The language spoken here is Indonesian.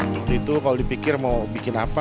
waktu itu kalau dipikir mau bikin apa